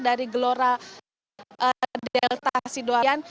dari gelora delta sidoarian